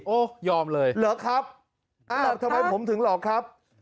ยอมเลยเหรอครับอ้าวทำไมผมถึงหลอกครับ